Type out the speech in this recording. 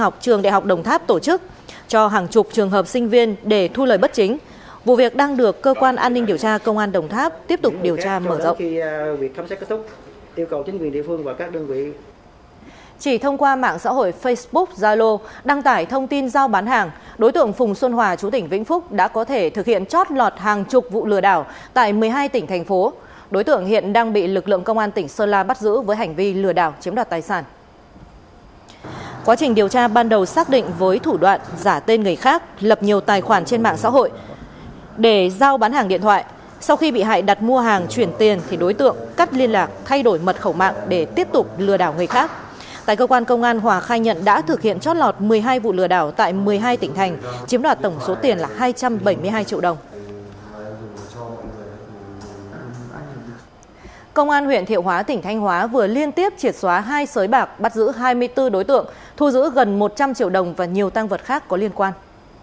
công an huyện thiệu hóa tỉnh thanh hóa vừa liên tiếp triệt xóa hai sới bạc bắt giữ hai mươi bốn đối tượng thu giữ gần một trăm linh triệu đồng và nhiều tăng vật khác có liên quan